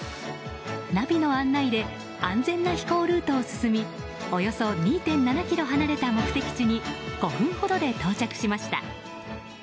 ナビの案内で安全な飛行ルートを進みおよそ２．７ｋｍ離れた目的地に５分ほどで到着しました。